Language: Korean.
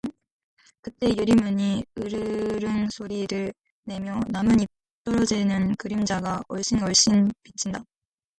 그때 유리문이 우르릉 소리를 내며 나뭇잎 떨어지는 그림자가 얼씬얼씬 비친다.